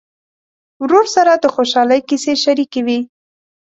ورور سره د خوشحالۍ کیسې شريکې وي.